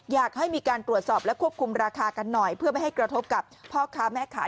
อยากให้มีการตรวจสอบและควบคุมราคากันหน่อยเพื่อไม่ให้กระทบกับพ่อค้าแม่ขาย